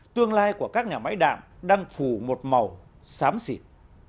tương lai của các nhà máy đạm đang phủ một màu xám xịt